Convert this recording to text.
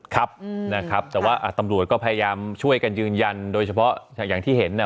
ครับนะครับแต่ว่าตำรวจก็พยายามช่วยกันยืนยันโดยเฉพาะอย่างที่เห็นเนี่ย